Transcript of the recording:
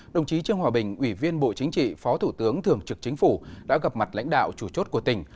đồng chí trương hòa bình ủy viên bộ chính trị phó thủ tướng thường trực chính phủ đã gặp mặt lãnh đạo chủ chốt của tỉnh